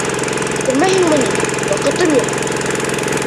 Күрмәйһеңме ни, ваҡытым юҡ!